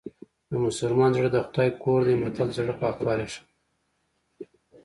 د مسلمان زړه د خدای کور دی متل د زړه پاکوالی ښيي